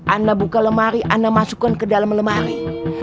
ana buka lemari ana masukkan ke dalam lemari